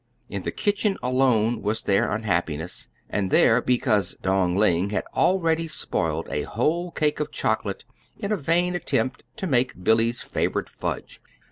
In the kitchen alone was there unhappiness, and there because Dong Ling had already spoiled a whole cake of chocolate in a vain attempt to make Billy's favorite fudge.